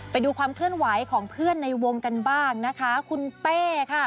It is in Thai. ไปดูความเคลื่อนไหวของเพื่อนในวงกันบ้างนะคะคุณเต้ค่ะ